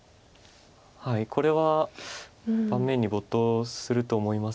これは盤面に没頭すると思います。